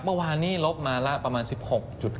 เมื่อวานนี้ลบมาละประมาณ๑๖๕